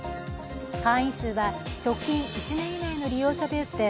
会員数は、直近１年以内の利用者ベースで